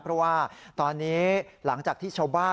เพราะว่าตอนนี้หลังจากที่ชาวบ้าน